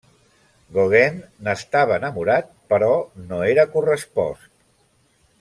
Gauguin n'estava enamorat però no era correspost.